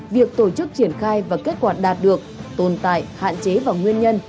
việc tổ chức triển khai và kết quả đạt được tồn tại hạn chế và nguyên nhân